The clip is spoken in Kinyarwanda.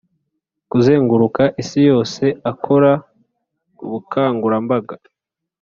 kuzenguruka isi yose akora ubukangurambaga